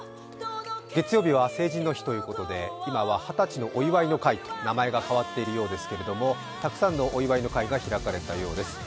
月曜日は成人の日ということで今は二十歳のお祝いの会と名前が変わっているようですけれども、たくさんのお祝いの会が開かれたようです。